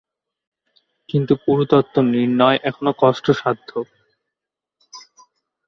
কিন্তু পুরুত্ব নির্ণয় এখনো কষ্টসাধ্য।